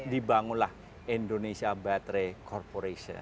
dibangunlah indonesia battery corporation